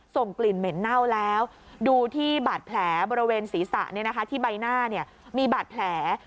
ส่งกลิ่นเหม็นเน่าแล้วดูที่บาดแผลบริเวณศีรษะที่ใบหน้ามีบาดแผล